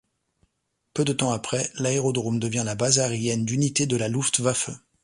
Peu de temps après, l’aérodrome devient la base aérienne d'unités de la Luftwaffe.